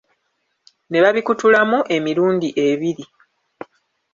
Ne babikutulamu emirundi ebiri.